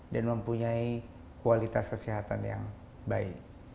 dan mempunyai kualitas kesehatan yang baik